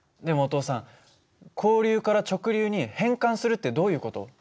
でもお父さん交流から直流に変換するってどういう事？